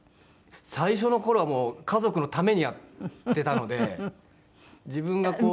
最初の頃はもう家族のためにやってたので自分がこう。